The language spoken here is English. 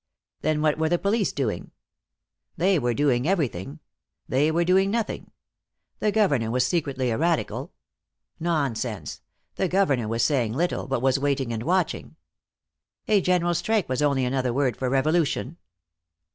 Then what were the police doing? They were doing everything. They were doing nothing. The governor was secretly a radical. Nonsense. The governor was saying little, but was waiting and watching. A general strike was only another word for revolution.